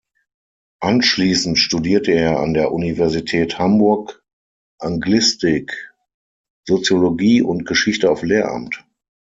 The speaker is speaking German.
Anschließend studierte er an der Universität Hamburg Anglistik, Soziologie und Geschichte auf Lehramt.